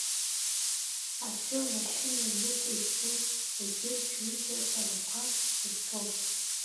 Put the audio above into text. Аӡәы амашьына ныҟәицоит егьырҭ ҩыџьа аҵарақәа ирҭоуп.